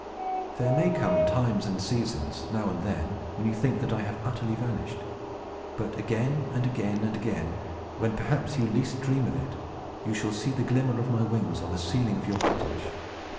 There may come times and seasons, now and then, when you will think that I have utterly vanished. But again, and again, and again, when perhaps you least dream of it, you shall see the glimmer of my wings on the ceiling of your cottage.